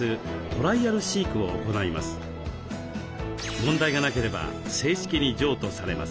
問題がなければ正式に譲渡されます。